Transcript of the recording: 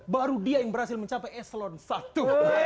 baru dia yang berhasil mencapai eselon i